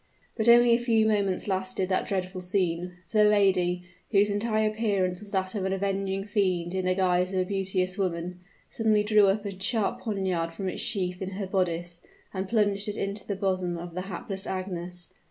But only a few moments lasted that dreadful scene; for the lady, whose entire appearance was that of an avenging fiend in the guise of a beauteous woman, suddenly drew a sharp poniard from its sheath in her bodice, and plunged it into the bosom of the hapless Agnes.